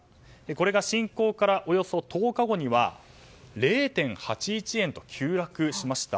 これが侵攻からおよそ１０日後には０．８１円と急落しました。